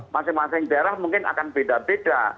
masing masing daerah mungkin akan beda beda